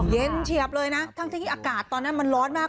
เฉียบเลยนะทั้งที่อากาศตอนนั้นมันร้อนมาก